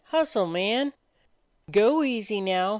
Hustle, man!" "Go easy now.